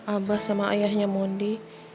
abah sama ayahnya mondi